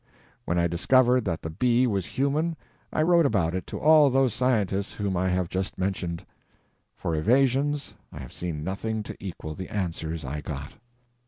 When I discovered that the bee was human I wrote about it to all those scientists whom I have just mentioned. For evasions, I have seen nothing to equal the answers I got.